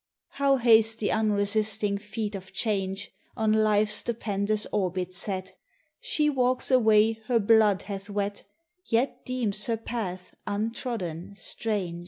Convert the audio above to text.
How haste the unresting feet of Change, On life's stupendous orbit set! She walks a way her blood hath wet, Yet deems her path untrodden, strange.